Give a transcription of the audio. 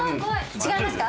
違いますか？